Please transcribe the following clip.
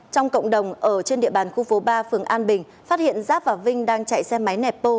trong cộng đồng ở trên địa bàn khu phố ba phường an bình phát hiện giáp và vinh đang chạy xe máy nẹp bô